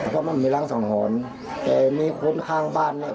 เพราะมันมีรังสังหรณ์แต่มีคนข้างบ้านเนี่ย